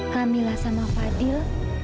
kamilah sama fadl